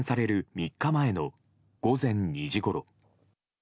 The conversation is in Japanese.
３日前の午前２時ごろ。